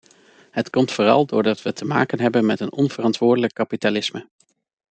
Het komt vooral doordat we te maken hebben met een onverantwoordelijk kapitalisme.